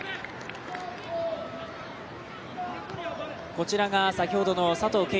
こちらが先ほどの佐藤恵